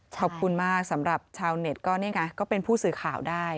ขอบคุณมากสำหรับชาวเน็ตก็นี่ไงก็เป็นผู้สื่อข่าวได้